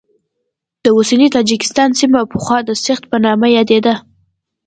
د اوسني تاجکستان سیمه پخوا د سغد په نامه یادېده.